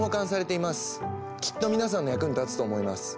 きっと皆さんの役に立つと思います。